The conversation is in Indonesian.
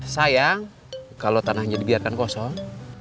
sayang kalau tanahnya dibiarkan kosong